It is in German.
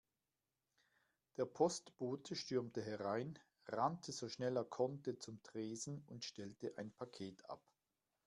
Der Postbote stürmte herein, rannte so schnell er konnte zum Tresen und stellte ein Paket ab.